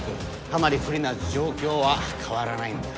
かなり不利な状況は変わらないんだ。